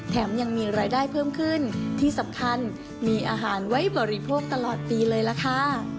ยังมีรายได้เพิ่มขึ้นที่สำคัญมีอาหารไว้บริโภคตลอดปีเลยล่ะค่ะ